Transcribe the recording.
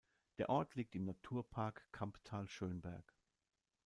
Der Ort liegt im Naturpark Kamptal-Schönberg.